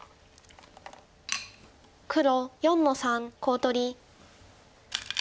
黒４の三コウ取り。